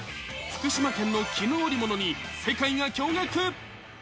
福島県の絹織物に世界が驚がく。